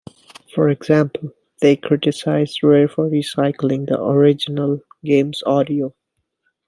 For example, they criticized Rare for recycling the original game's audio.